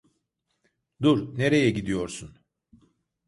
Dur, nereye gidiyorsun?